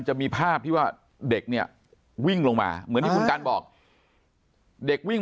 จะมีภาพที่ว่าเด็กเนี่ยวิ่งลงมาเหมือนที่คุณกันบอกเด็กวิ่ง